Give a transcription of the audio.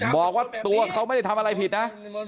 บอกว่าตัวเขาไม่ได้ทำอะไรผิดนะ